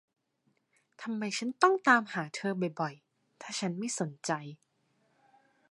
ทำไมฉันถึงต้องตามหาเธอบ่อย ๆ ถ้าฉันไม่สนใจ